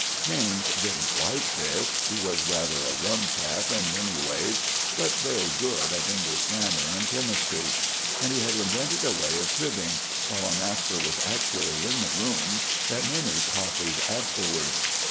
James didn't like this. He was rather a rum chap in many ways, but very good at English grammar and chemistry; and he had invented a way of cribbing, while a master was actually in the room, that many copied afterwards.